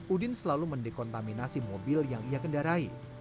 udin selalu mendekontaminasi mobil yang ia kendarai